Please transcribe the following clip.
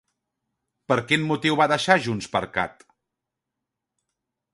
Per quin motiu va deixar JxCat?